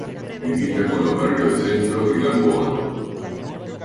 Limita con los barrios de Centro y Gamboa.